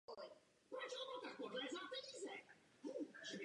Za zmínku stojí ještě jeden moment.